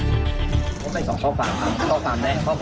การผิดสัญญาในการโพสต์ขอยังเดียวครับ